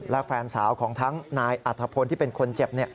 และแฟนสาวของทั้งนายอัธพลที่เป็นคนเจ็บ